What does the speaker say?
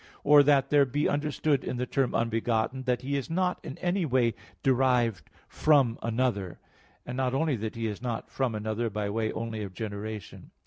Or that there be understood in the term "unbegotten" that He is not in any way derived from another; and not only that He is not from another by way only of generation.